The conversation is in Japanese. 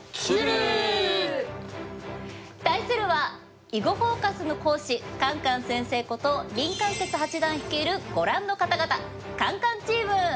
対するは「囲碁フォーカス」の講師カンカン先生こと林漢傑八段率いるご覧の方々カンカンチーム！